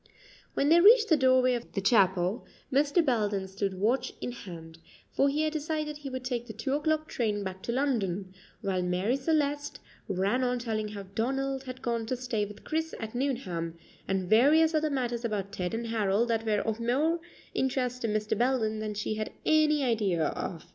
When they reached the doorway of the chapel, Mr. Belden stood watch in hand, for he had decided he would take the two o'clock train back to London, while Marie Celeste ran on telling how Donald had gone to stay with Chris at Nuneham, and various other matters about Ted and Harold that were of more interest to Mr. Belden than she had any idea of.